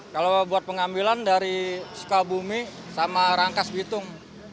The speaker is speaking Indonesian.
kalau buat pengambilan dari sekal bumi sama rangkas bitung